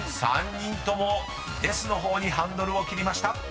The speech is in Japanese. ３人ともデスの方にハンドルを切りました］